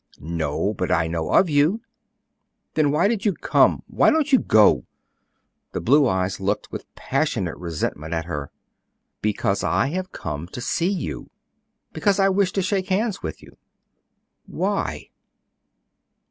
"No; but I know of you." "Then why did you come; why don't you go?" The blue eyes looked with passionate resentment at her. "Because I have come to see you; because I wish to shake hands with you." "Why?" "Why?"